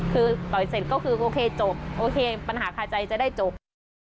คือต่อยเสร็จก็คือโอเคจบโอเคปัญหาคาใจจะได้จบ